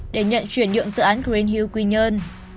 để nhận truyền nhượng dự án greenhill quy nhơn